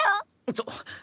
ちょっ。